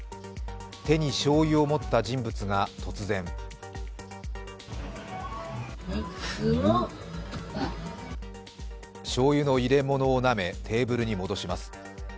手にしょうゆを持った人物が突然しょうゆの入れ物をなめテーブルに戻します。